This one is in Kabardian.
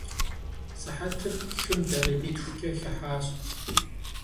Sıhetır xım dakhikhitxuç'e xıhaş.